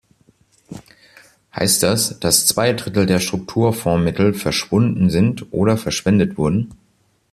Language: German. Heißt das, dass zwei Drittel der Strukturfondsmittel verschwunden sind oder verschwendet wurden?